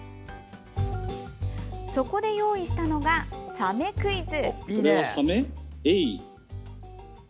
そこで用意したのがサメクイズ。